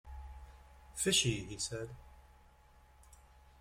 "Fishy," he said.